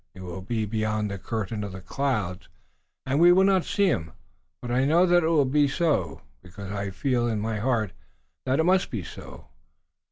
He will be beyond the curtain of the clouds, and we will not see him, but I know that it will be so, because I feel in my heart that it must be so.